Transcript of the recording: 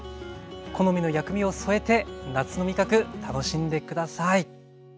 好みの薬味を添えて夏の味覚楽しんで下さい。